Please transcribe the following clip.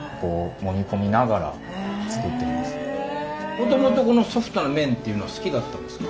もともとこのソフトな麺っていうのは好きだったんですか？